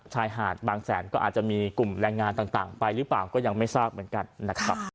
ชายหาดบางแสนก็อาจจะมีกลุ่มแรงงานต่างไปหรือเปล่าก็ยังไม่ทราบเหมือนกันนะครับ